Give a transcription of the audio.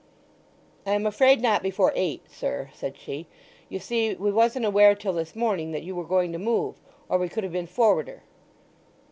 "I am afraid not before eight, sir," said she. "You see we wasn't aware till this morning that you were going to move, or we could have been forwarder."